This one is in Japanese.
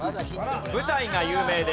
舞台が有名です。